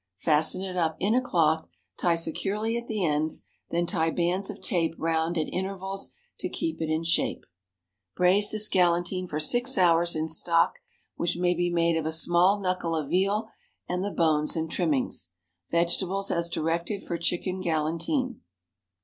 Fasten it up in a cloth, tie securely at the ends, then tie bands of tape round at intervals to keep it in shape. Braise this galantine for six hours in stock, which may be made of a small knuckle of veal and the bones and trimmings. Vegetables as directed for chicken galantine.